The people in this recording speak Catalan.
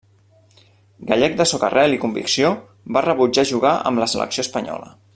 Gallec de soca-rel i convicció, va rebutjar jugar amb la selecció espanyola.